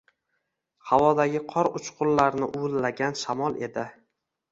Havodagi qor uchqunlarini uvillagan shamol edi.